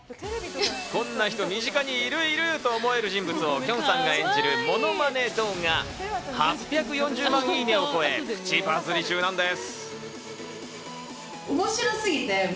この人、身近にいるいる！と思える方をきょんさんが演じるモノマネ動画が８４０万いいねを超え、プチバズり中なんです。